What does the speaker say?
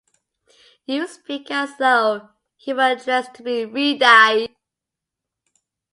You speak as though he were a dress to be re-dyed.